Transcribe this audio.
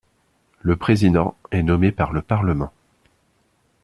Le Président est nommé par le Parlement.